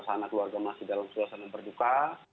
sana keluarga masih dalam suasana berduka